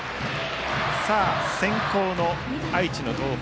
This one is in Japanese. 先攻の、愛知の東邦。